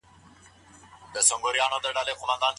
کار ته په سينګار کي د وتلو له امله کومه فتنه پېښېږي؟